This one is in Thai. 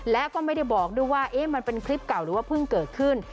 และก็ไม่ได้บอกด้วยว่ามันเป็นคลิปเก่าหรือว่าเพิ่งเกิดขึ้น